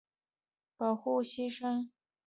不久连美雅也为了保护希布亦牺牲了性命。